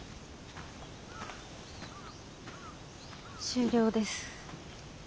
終了です。